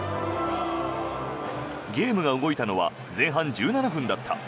ゲームが動いたのは前半１７分だった。